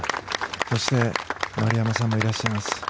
そして丸山さんもいらっしゃいます。